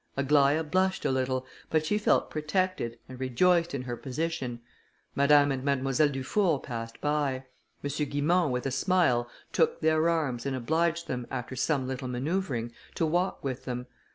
Aglaïa blushed a little, but she felt protected, and rejoiced in her position. Madame and Mademoiselle Dufour passed by. M. Guimont, with a smile, took their arms, and obliged them, after some little manoeuvring, to walk with them.